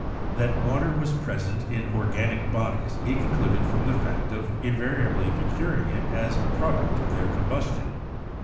That water was present in organic bodies he con cluded from the fact of invariably procuring it as a prod uct of their combustion.